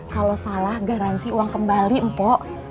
kalo salah garansi uang kembali mpo